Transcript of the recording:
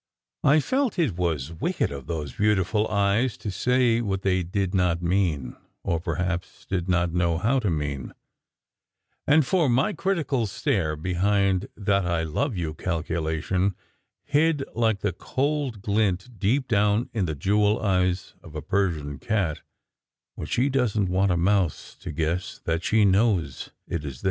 I felt it was wicked of those beautiful eyes to say what they did not mean, or, perhaps, did not know how to mean; and for my critical stare, behind that "I love you," calculation hid, like the cold glint deep down in the jewel eyes of a Persian cat, when she doesn t want a mouse to guess that she knows it is there.